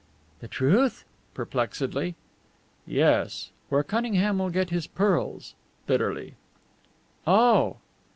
"The truth?" perplexedly. "Yes where Cunningham will get his pearls?" bitterly. "Oh!"